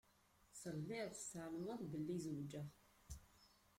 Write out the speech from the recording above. Telliḍ tεelmeḍ belli zewǧeɣ.